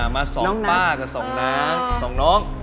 มา๒ป้าแล้ว๒น้อง